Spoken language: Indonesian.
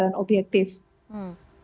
tapi kalau pilihan itu tidak terlalu objektif